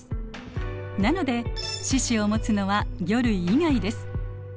なので四肢をもつのは魚類以外です。